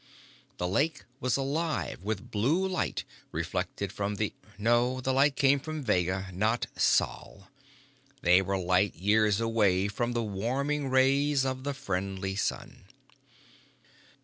The lake was alive with blue light reflected from the No, the light came from Vega, not Sol. They were light years away from the warming rays of the friendly sun.